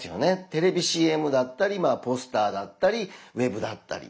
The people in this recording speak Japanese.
テレビＣＭだったりポスターだったりウェブだったり。